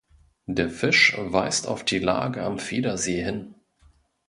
Der Fisch weist auf die Lage am Federsee hin.